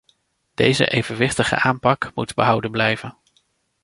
Deze evenwichtige aanpak moet behouden blijven.